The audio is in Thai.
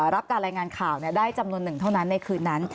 รับการรายงานข่าวได้จำนวนหนึ่งเท่านั้นในคืนนั้น